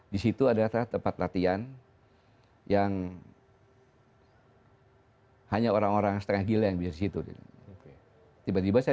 disitu ada tempat latihan yang hanya orang orang setengah gila yang bisa disitu tiba tiba saya